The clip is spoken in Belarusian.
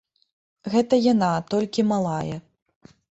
Гэта яна, толькі малая.